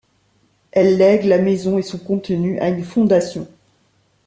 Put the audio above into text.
Elle lègue la maison et son contenu à une fondation.